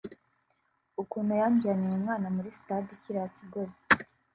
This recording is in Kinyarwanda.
ukuntu yanjyaniye umwana muri Stade kiriya kigoryi…”